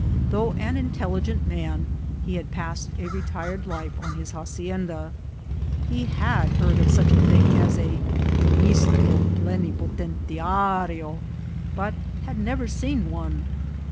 Though an intelligent man, he had passed a retired life on his hacienda. He had heard of such a thing as " a minislro plenipoten tiario," but had never seen one.